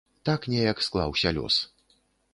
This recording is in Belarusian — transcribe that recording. Так неяк склаўся лёс.